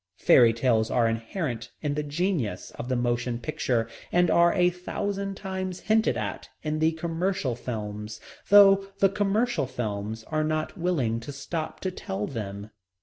Fairy tales are inherent in the genius of the motion picture and are a thousand times hinted at in the commercial films, though the commercial films are not willing to stop to tell them.